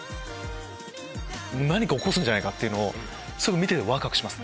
何か起こすんじゃないかって見ててワクワクします。